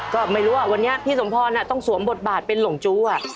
ก็ไม่รู้ว่าวันนี้พี่สมพรต้องสวมบทบาทเป็นหลงจู้